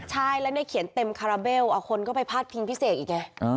ใช่แล้วในเขียนเต็มคาราเบลเอาคนไปพาดพิงพิเศษอีก